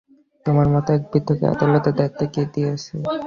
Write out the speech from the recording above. তোমার মতো এক বৃদ্ধকে আদালতের দায়িত্ব কে দিয়েছে?